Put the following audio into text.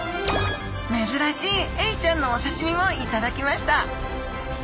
めずらしいエイちゃんのお刺身もいただきました！